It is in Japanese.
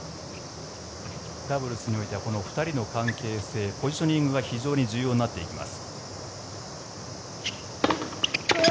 ダブルスにおいては２人の関係性ポジショニングが非常に重要になってきます。